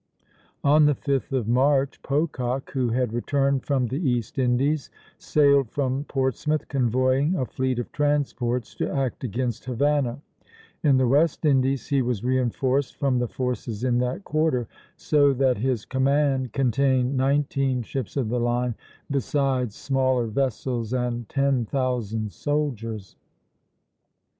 On the 5th of March, Pocock, who had returned from the East Indies, sailed from Portsmouth, convoying a fleet of transports to act against Havana; in the West Indies he was reinforced from the forces in that quarter, so that his command contained nineteen ships of the line besides smaller vessels, and ten thousand soldiers.